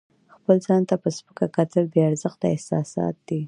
خپل ځان ته په سپکه کتل بې ارزښته احساسات دي.